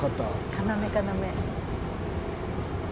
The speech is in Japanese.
要要。